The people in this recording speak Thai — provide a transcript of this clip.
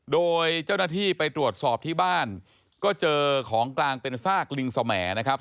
โดยเจ้าหน้าที่ไปตรวจสอบที่บ้านก็เจอของกลางเป็นซากลิงสมนะครับ